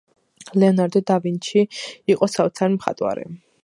ლეონარდო და ვინჩი იყო საოცარი მხატვარი